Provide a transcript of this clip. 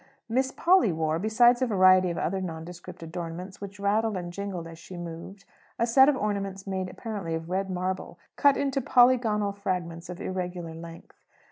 Miss Polly wore besides a variety of other nondescript adornments which rattled and jingled as she moved a set of ornaments made apparently of red marble, cut into polygonal fragments of irregular length.